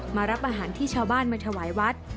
มารับอาหารที่ชาวบ้านมาถวายวัด